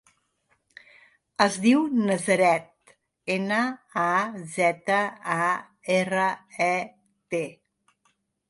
Es diu Nazaret: ena, a, zeta, a, erra, e, te.